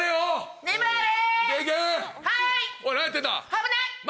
危ない！